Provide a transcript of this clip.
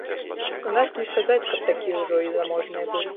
У нас не сказаць, каб такія ўжо і заможныя былі.